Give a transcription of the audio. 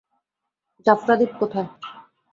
জাফনা দ্বীপ কোথায়?